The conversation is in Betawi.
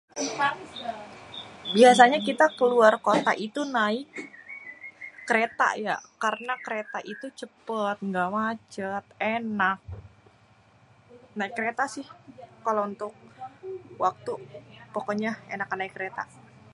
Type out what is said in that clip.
biasanya kita keluar kota itu naik kereta ya, karena kereta itu cepet ga macet ènak, naèk kereta sih kalo untuk waktu, pokonya ènakan naèk kereta sih.